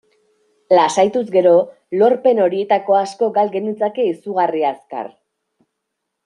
Lasaituz gero, lorpen horietako asko gal genitzake izugarri azkar.